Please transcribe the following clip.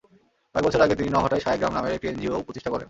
কয়েক বছর আগে তিনি নওহাটায় সায়াগ্রাম নামের একটি এনজিও প্রতিষ্ঠা করেন।